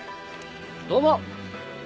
どうも！